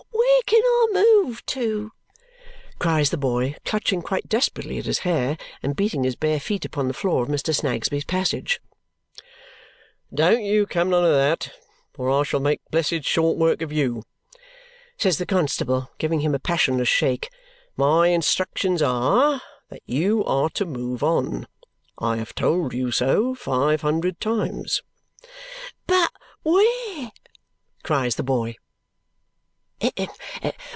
Where can I move to!" cries the boy, clutching quite desperately at his hair and beating his bare feet upon the floor of Mr. Snagsby's passage. "Don't you come none of that or I shall make blessed short work of you!" says the constable, giving him a passionless shake. "My instructions are that you are to move on. I have told you so five hundred times." "But where?" cries the boy.